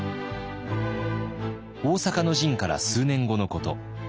大坂の陣から数年後のこと。